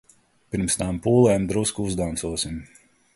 Pirms tām pūlēm drusku uzdancosim.